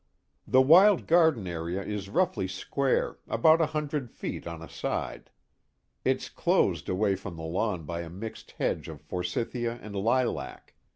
"The wild garden area is roughly square, about a hundred feet on a side. It's closed away from the lawn by a mixed hedge of forsythia and lilac.